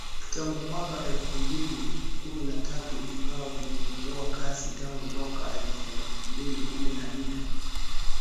Tangu mwaka elfu mbili kumi na tatu ingawa vimepungua kasi tangu mwaka elfu mbili kumi na nane.